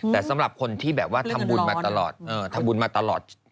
แต่สำหรับคนที่แบบว่าทำบุญมาตลอด